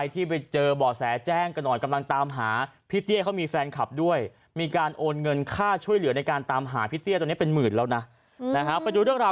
ทวดเจอช่วยเหลือในในการตามหาพี่เตี้ยตอนนี้เป็นหมื่นแล้วนะ